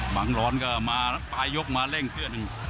บังร้อนก็มาปลายยกมาเร่งเคลื่อน